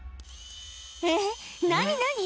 えっ、何々？